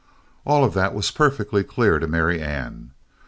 All of that was perfectly clear to Marianne.